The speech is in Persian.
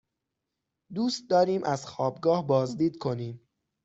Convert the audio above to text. دوست داریم از خوابگاه بازدید کنیم.